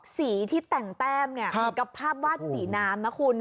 สีที่แต่งแต้มกับภาพวาดสีน้ำนะคุณ